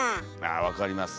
あ分かります。